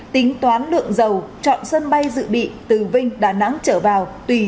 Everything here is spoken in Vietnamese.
tính toán lượng dầu chọn sân bay dự bị từ vinh đà nẵng trở vào